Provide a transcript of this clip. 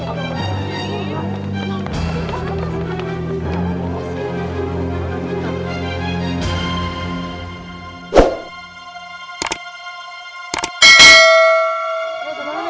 aku terlibat juga gimana